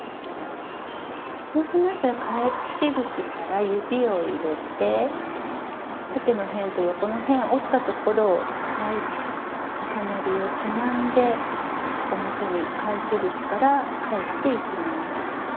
そうしましたら返し口から指を入れて縦の辺と横の辺を折ったところをはい重なりをつまんで表に返し口から返していきます。